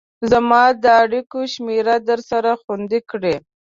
زما د اړيكو شمېره درسره خوندي کړئ